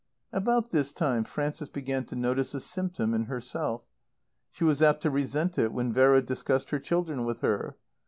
About this time Frances began to notice a symptom in herself. She was apt to resent it when Vera discussed her children with her.